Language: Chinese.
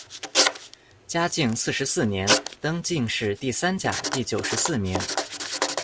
嘉靖四十四年，登进士第三甲第九十四名。